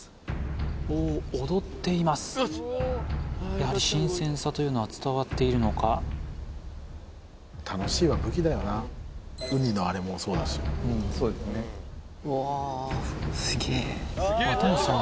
やはり新鮮さというのは伝わっているのかうにのあれもそうだし・うんそうですね綿貫さん